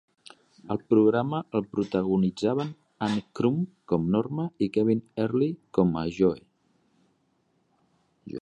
El programa el protagonitzaven Ann Crumb com Norma i Kevin Earley com a Joe.